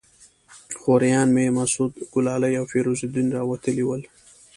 خوریان مې مسعود ګلالي او فیروز الدین راوتلي ول.